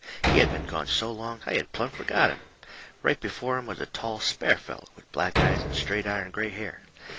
He had been gone so long I had plumb forgot him. Right behind him was a tall, spare feller, with black eyes and straight iron gray hair.